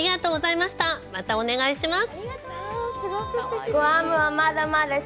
またお願いします。